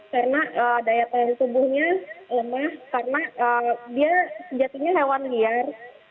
karena daya tahan tubuhnya lemah karena dia sejatinya hewan liar